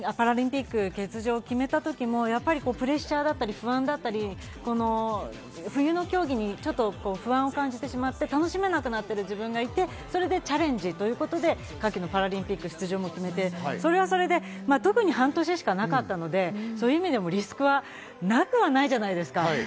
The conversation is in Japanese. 実際、夏季のパラリンピック出場を決めた時もプレッシャーだったり不安だったり、冬の競技に不安を感じてしまって楽しめなくなっている自分がいて、それでチャレンジということで、夏季のパラリンピック出場を決めて、それはそれで、特に半年しかなかったので、そういう意味でもリスクはなくはないじゃないですか。